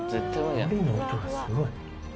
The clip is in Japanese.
のりの音がすごい。